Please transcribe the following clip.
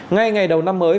ngay ngày đầu năm mới